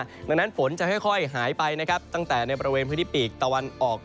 ดังนั้นฝนจะค่อยหายไปนะครับตั้งแต่ในบริเวณพื้นที่ปีกตะวันออก